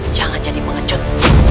jangan jadi mengejut